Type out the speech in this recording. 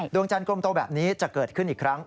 ดวงจันทร์กลมโตแบบนี้จะเกิดขึ้นอีกครั้ง